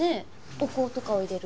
お香とかを入れる。